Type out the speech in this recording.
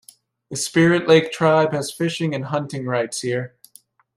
The Spirit Lake Tribe has fishing and hunting rights here.